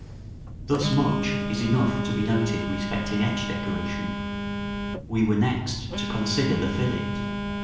Thus much is enough to be noted respecting edge decoration. We were next to consider the fillet.